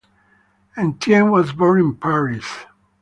Estienne was born in Paris.